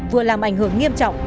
vừa làm ảnh hưởng nghiêm trọng